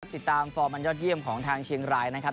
ฟอร์มอันยอดเยี่ยมของทางเชียงรายนะครับ